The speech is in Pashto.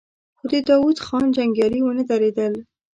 خو د داوود خان جنګيالي ونه درېدل.